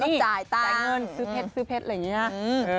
แต่ต้องจ่ายเงินซื้อเผ็ดอะไรเหมือนกี้ครับ